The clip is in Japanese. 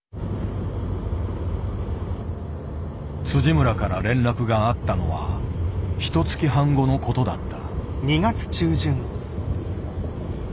村から連絡があったのはひとつき半後のことだった。